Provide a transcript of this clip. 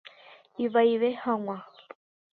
Ivaive hag̃ua.